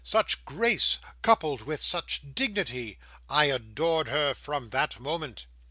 'Such grace, coupled with such dignity! I adored her from that moment!